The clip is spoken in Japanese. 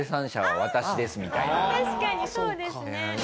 確かにそうですね。